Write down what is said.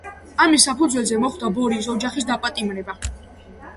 ამის საფუძველზე მოხდა ბორის ოჯახის დაპატიმრება.